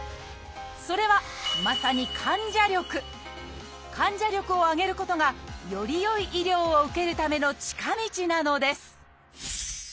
それはまさに患者力を上げることがより良い医療を受けるための近道なのです！